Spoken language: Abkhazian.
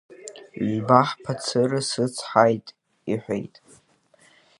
Ҩба-хԥа цыра сыцҳаит, — иҳәеит.